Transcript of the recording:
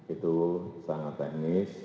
itu sangat teknis